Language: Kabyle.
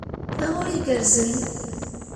Taɣuri igerrzen.